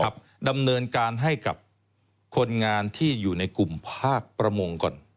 ดำเนินการให้กับคนงานที่อยู่ในกลุ่มภาคประมงก่อน